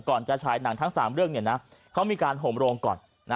จะฉายหนังทั้ง๓เรื่องเขามีการห่มโรงก่อน